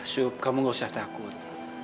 sup kamu gak usah takut